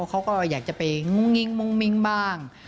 เขาก็อยากจะไปงุ้งงิ้งมุ้งมิ้งบ้าง